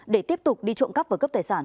để tiếp tục đi trộm cắp và cướp tài sản